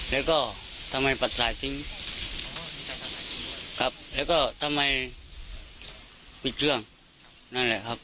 แล้วก็ทำไมปัดสายทิ้งอ๋อครับแล้วก็ทำไมปิดเครื่องนั่นแหละครับ